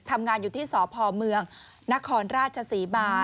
ทำงานอยู่ที่สพเมืองนครราชศรีมา